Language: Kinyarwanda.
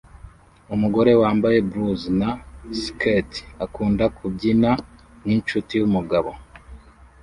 Umugore wambaye blus na skirt akunda kubyina ninshuti yumugabo